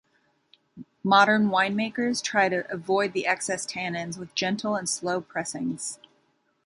Modern winemaker try to avoid the excess tannins with gentle and slow pressings.